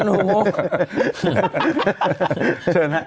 ฉันรู้นะ